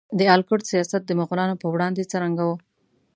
د آل کرت سیاست د مغولانو په وړاندې څرنګه و؟